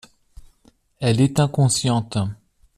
Elle est inconsciente.